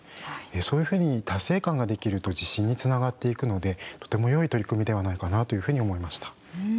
そういうふうに達成感ができると自信につながっていくのでとてもよい取り組みではないかなというふうに思いました。